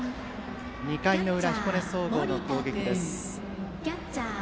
２回裏、彦根総合の攻撃です。